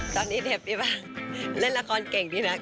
ตอนนี้เฮฟบิบัชเล่นละครเก่งดีนัก